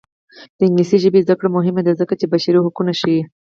د انګلیسي ژبې زده کړه مهمه ده ځکه چې بشري حقونه ښيي.